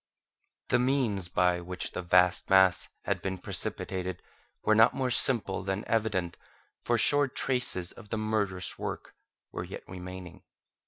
The means by which the vast mass had been precipitated were not more simple than evident, for sure traces of the murderous work were yet remaining.